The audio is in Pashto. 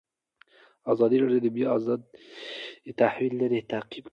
ازادي راډیو د د بیان آزادي د تحول لړۍ تعقیب کړې.